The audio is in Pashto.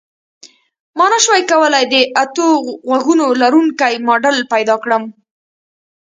ما نشوای کولی د اتو غوږونو لرونکی ماډل پیدا کړم